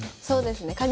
そうですね。